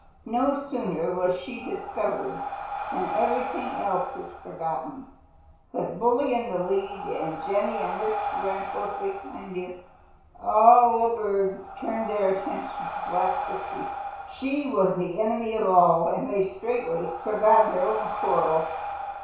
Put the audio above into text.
No sooner was she discovered than everything else was forgotten. With Bully in the lead, and Jenny and Mr. Wren close behind him, all the birds turned their attention to Black Pussy. She was the enemy of all, and they straightway forgot their own quarrel.